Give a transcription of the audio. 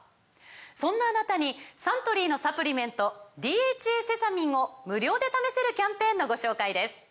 そんなあなたにサントリーのサプリメント「ＤＨＡセサミン」を無料で試せるキャンペーンのご紹介です